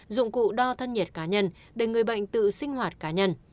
dụng cụ đo thân nhiệt cá nhân để người bệnh tự sinh hoạt cá nhân